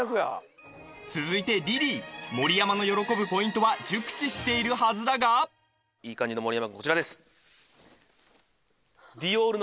続いてリリー盛山の喜ぶポイントは熟知しているはずだがいい感じの盛山君こちらです